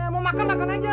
mau makan makan aja